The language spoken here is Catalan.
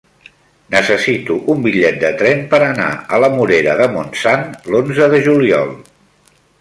Necessito un bitllet de tren per anar a la Morera de Montsant l'onze de juliol.